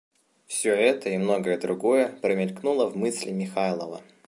Всё это и многое другое промелькнуло в мысли Михайлова.